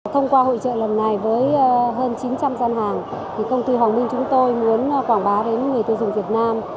thông qua hội trợ lần này với hơn chín trăm linh gian hàng công ty hoàng minh chúng tôi muốn quảng bá đến người tiêu dùng việt nam